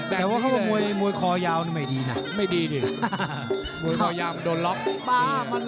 แต่ก็มวยคองยาวนี่ไม่ดีนาน